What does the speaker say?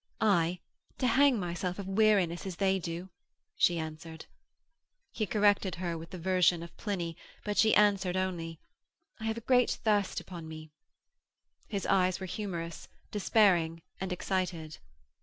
'Aye, to hang myself of weariness, as they do,' she answered. He corrected her with the version of Pliny, but she answered only: 'I have a great thirst upon me.' His eyes were humorous, despairing and excited.